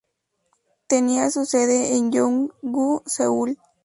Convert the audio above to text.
Tenía su sede en Jongno-gu, Seúl.